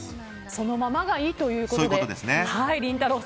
そのままがいいということでりんたろー。